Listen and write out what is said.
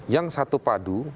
yang satu padu